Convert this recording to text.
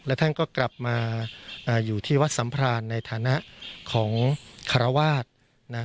และท่านก็กลับมาอยู่ที่วัดสัมพรานในฐานะของคารวาสนะ